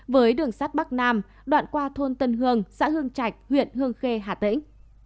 với đường sắt bắc nam đoạn qua thôn tân hương xã hương trạch huyện hương khê hà tĩnh